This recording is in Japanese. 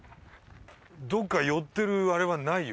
どっか寄ってるあれはないよ。